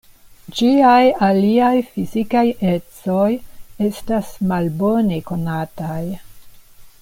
Ĝiaj aliaj fizikaj ecoj estas malbone konataj.